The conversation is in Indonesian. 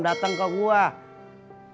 dateng ke gue rat dan dia ngelakuinnya